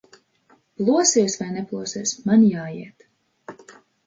Plosies vai neplosies, man jāiet.